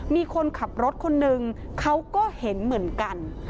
มีคนขับรถคนนึงเขาก็เห็นเหมือนกัน